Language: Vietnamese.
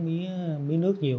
mía nước nhiều